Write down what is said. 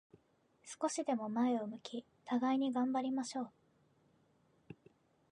少しでも前を向き、互いに頑張りましょう。